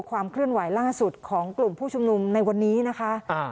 ความเคลื่อนไหวล่าสุดของกลุ่มผู้ชุมนุมในวันนี้นะคะ